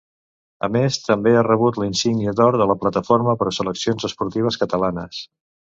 A més també ha rebut la insígnia d'or de la Plataforma Pro Seleccions Esportives Catalanes.